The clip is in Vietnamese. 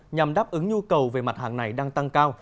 nhằm đáp ứng nhu cầu về mặt hàng này đang tăng cao